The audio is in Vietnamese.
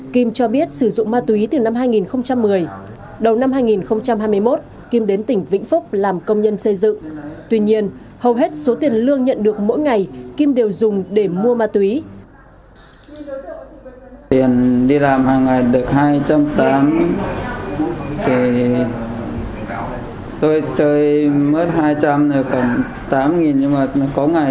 kim cho biết sử dụng ma túy từ năm hai nghìn một mươi đầu năm hai nghìn hai mươi một kim đến tỉnh vĩnh phúc làm công nhân xây dựng tuy nhiên hầu hết số tiền lương nhận được mỗi ngày kim đều dùng để mua ma túy